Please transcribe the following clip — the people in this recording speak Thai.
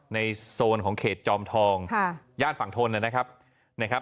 ในโซนของเขตจอมทองย่านฝั่งทนนะครับ